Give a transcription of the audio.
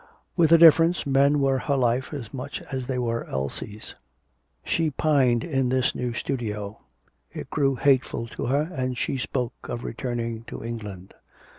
With a difference, men were her life as much as they were Elsie's. She pined in this new studio; it grew hateful to her, and she spoke of returning to England.